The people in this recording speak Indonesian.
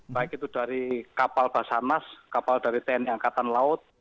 baik itu dari kapal basarnas kapal dari tni angkatan laut